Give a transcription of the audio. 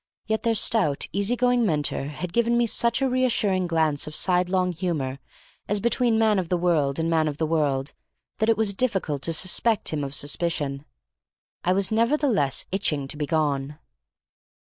Yet their stout, easy going mentor had given me such a reassuring glance of side long humor, as between man of the world and man of the world, that it was difficult to suspect him of suspicion. I was nevertheless itching to be gone.